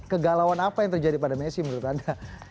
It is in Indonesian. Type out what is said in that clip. kegalauan apa yang terjadi pada messi menurut anda